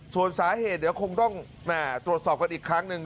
ส่วนสาเหตุเดี๋ยวคงต้องตรวจสอบกันอีกครั้งหนึ่ง